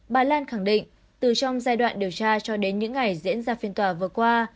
bà lan khẳng định từ trong giai đoạn điều tra cho đến những ngày diễn ra phiên tòa vừa qua